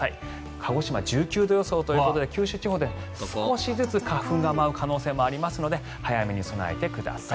鹿児島、１９度予想ということで九州地方で少しずつ花粉が舞う可能性もありますので早めに備えてください。